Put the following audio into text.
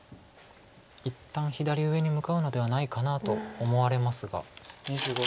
一旦左上に向かうのではないかなと思われますが。